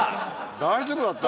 大丈夫だった？